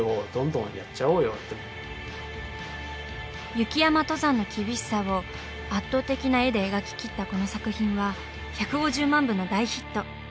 雪山登山の厳しさを圧倒的な絵で描ききったこの作品は１５０万部の大ヒット。